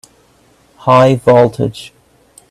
High voltage!